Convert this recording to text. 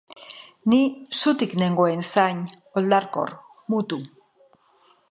Ni zutik nengoen zain, oldarkor, mutu.